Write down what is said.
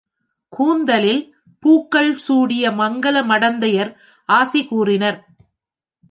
கூந்தலில் பூக்கள் சூடிய மங்கல மடந்தையர் ஆசி கூறினர்.